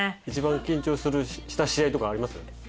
一番緊張した試合とかあります？